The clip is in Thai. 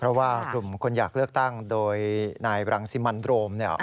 เพราะว่าคุณอยากเลือกตั้งโดยนายรังซิมานด์โดรม